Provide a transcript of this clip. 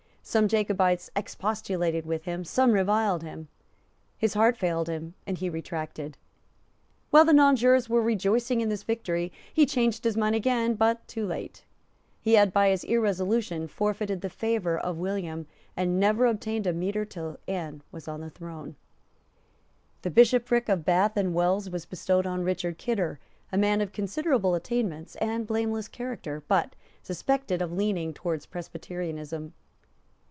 Some Jacobites expostulated with him; some reviled him; his heart failed him; and he retracted. While the nonjurors were rejoicing in this victory, he changed his mind again; but too late. He had by his irresolution forfeited the favour of William, and never obtained a mitre till Anne was on the throne. The bishopric of Bath and Wells was bestowed on Richard Kidder, a man of considerable attainments and blameless character, but suspected of a leaning towards Presbyterianism.